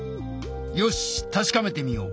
よし確かめてみよう。